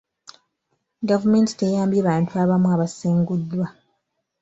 Gavumenti teyambye bantu abamu abasenguddwa.